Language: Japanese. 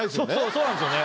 そうなんですよね。